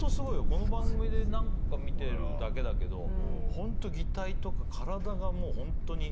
この番組で何個か見てるだけだけどホント擬態とか体がホントに。